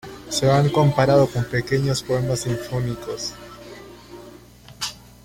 Se han comparado con pequeños poemas sinfónicos.